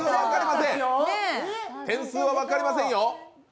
点数は分かりませんよ。